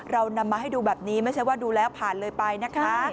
เรานำมาให้ดูแบบนี้ไม่ใช่ว่าดูแล้วผ่านเลยไปนะคะ